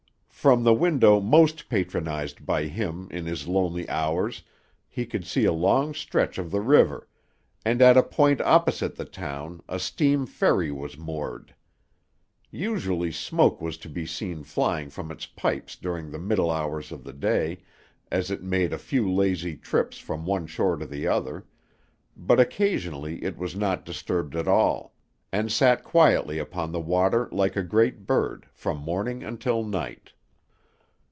From the window most patronized by him in his lonely hours he could see a long stretch of the river, and at a point opposite the town a steam ferry was moored. Usually smoke was to be seen flying from its pipes during the middle hours of the day, as it made a few lazy trips from one shore to the other; but occasionally it was not disturbed at all, and sat quietly upon the water like a great bird from morning until night.